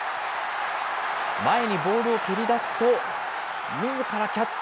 前にボールを蹴りだすと、みずからキャッチ。